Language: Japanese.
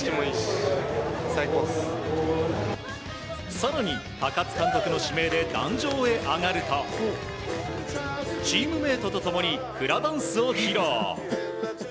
更に高津監督の指名で壇上へ上がるとチームメートと共にフラダンスを披露。